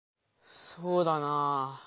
そうだなぁ。